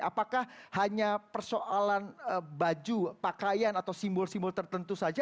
apakah hanya persoalan baju pakaian atau simbol simbol tertentu saja